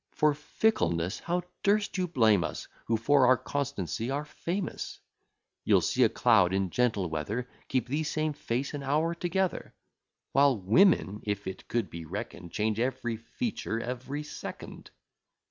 For fickleness how durst you blame us, Who for our constancy are famous? You'll see a cloud in gentle weather Keep the same face an hour together; While women, if it could be reckon'd, Change every feature every second.